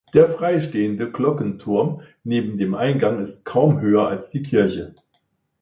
Der freistehende Glockenturm neben den Eingang ist kaum höher als die Kirche.